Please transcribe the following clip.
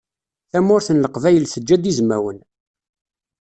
Tamurt n leqbayel teǧǧa-d izmawen.